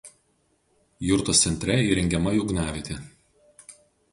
Jurtos centre įrengiama ugniavietė.